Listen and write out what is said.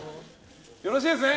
よろしいですね。